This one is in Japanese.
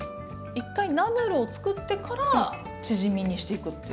一回ナムルを作ってからチヂミにしていくっていう。